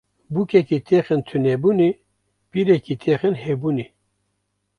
Bûkekî têxin tunebûnê, pîrekî têxin hebûnê